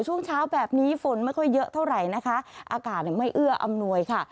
ช่วงเช้าแบบนี้ฝนไม่ค่อยเยอะเท่าไหร่นะคะอากาศไม่เอื้ออำนวยค่ะ